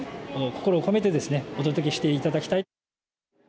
心を込めてお届けしていただきたい。